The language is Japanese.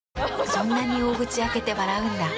そんなに大口開けて笑うんだ。